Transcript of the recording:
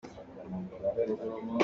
Chantling lo in ih cu a har pah ko.